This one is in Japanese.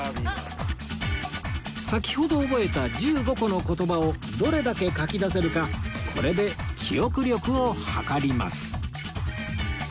先ほど覚えた１５個の言葉をどれだけ書き出せるかこれで記憶力を測ります